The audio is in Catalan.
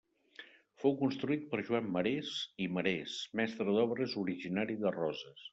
Fou construït per Joan Marés i Marés, mestre d'obres originari de Roses.